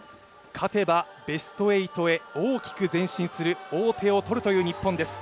勝てばベスト８へ大きく前進する王手をとるという日本です。